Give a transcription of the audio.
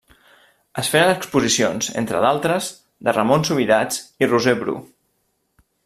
Es feren exposicions, entre altres, de Ramon Subirats i Roser Bru.